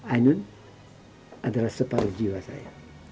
ainun adalah separuh jiwa saya